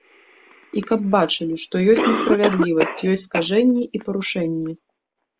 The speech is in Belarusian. І каб бачылі, што ёсць несправядлівасць, ёсць скажэнні і парушэнні.